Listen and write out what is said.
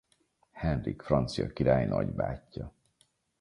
Henrik francia király nagybátyja.